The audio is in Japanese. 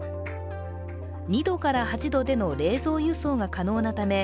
２度から８度での冷蔵輸送が可能なため